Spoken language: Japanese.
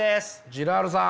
ジラールさん。